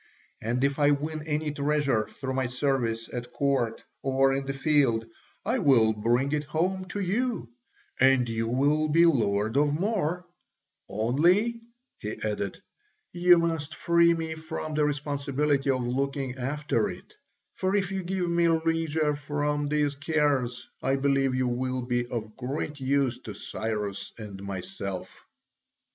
And if I win any treasure through my service at court or on the field, I will bring it home to you, and you will be lord of more; only," he added, "you must free me from the responsibility of looking after it, for if you give me leisure from these cares I believe you will be of great use to Cyrus and myself."